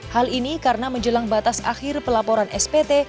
hal ini karena menjelang batas akhir pelaporan spt